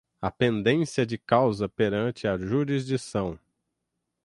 A pendência de causa perante a jurisdição